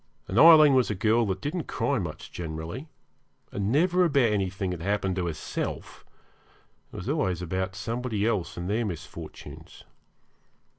And Aileen was a girl that didn't cry much generally, and never about anything that happened to herself; it was always about somebody else and their misfortunes.